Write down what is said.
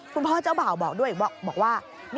คุณพ่อเจ้าบ่าวบอกด้วยบอกว่า